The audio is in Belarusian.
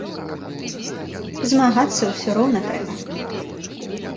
Змагацца ўсё роўна трэба.